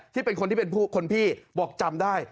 ที่เป็นคนที่เป็นคนพี่บอกจำได้